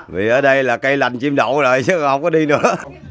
vì ở đây là cây lành chim đậu rồi chứ không có đi nữa